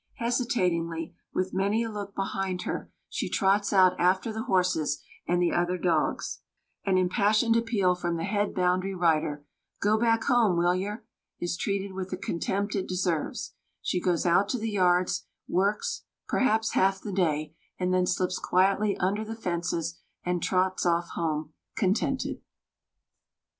Hesitatingly, with many a look behind her, she trots out after the horses and the other dogs. An impassioned appeal from the head boundary rider, "Go back home, will yer!" is treated with the contempt it deserves. She goes out to the yards, works, perhaps half the day, and then slips quietly under the fences and trots off home, contented.